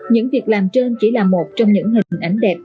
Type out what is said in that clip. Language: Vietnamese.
những việc làm trên chỉ là một trong những hình ảnh đẹp